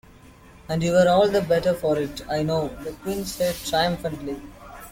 ‘And you were all the better for it, I know!’ the Queen said triumphantly.